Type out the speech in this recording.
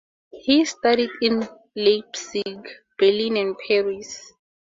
He studied in Leipzig, Berlin, and Paris.